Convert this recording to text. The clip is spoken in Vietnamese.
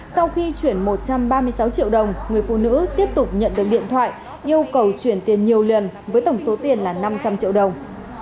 sau khi chuyển một trăm ba mươi sáu triệu đồng người phụ nữ tiếp tục nhận được điện thoại yêu cầu chuyển tiền nhiều lần với tổng số tiền là năm trăm linh triệu đồng